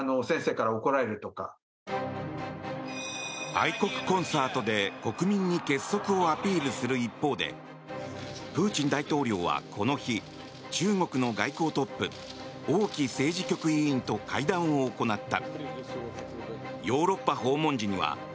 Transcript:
愛国コンサートで国民に結束をアピールする一方でプーチン大統領はこの日中国の外交トップ王毅政治局委員と会談を行った。